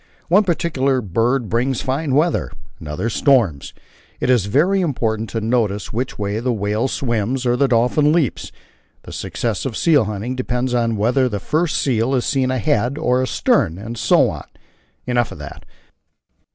One particular bird brings fine weather, another storms; it is very important to notice which way the whale swims or the dolphin leaps; the success of seal hunting depends on whether the first seal is seen ahead or astern, and so on. Enough of that.